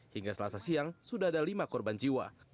hingga selasa siang sudah ada lima korban jiwa